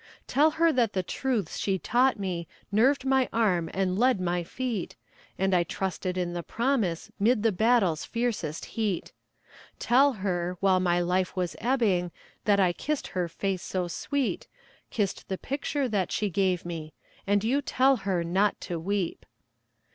Tell her that the truths she taught me Nerved my arm and led my feet, And I trusted in the promise 'Mid the battle's fiercest heat. Tell her, while my life was ebbing, That I kissed her face so sweet Kissed the picture that she gave me And you tell her not to weep.